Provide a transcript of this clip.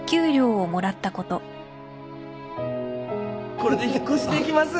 これで引っ越しできます